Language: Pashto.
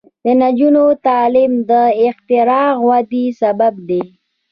د نجونو تعلیم د اختراع ودې سبب دی.